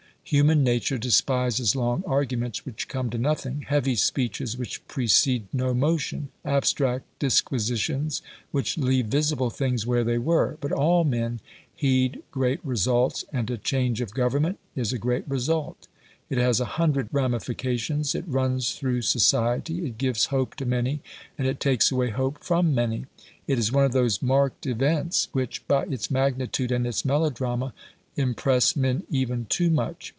Human nature despises long arguments which come to nothing heavy speeches which precede no motion abstract disquisitions which leave visible things where they were. But all men heed great results, and a change of Government is a great result. It has a hundred ramifications; it runs through society; it gives hope to many, and it takes away hope from many. It is one of those marked events which, by its magnitude and its melodrama, impress men even too much.